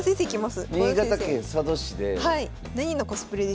新潟県佐渡市で。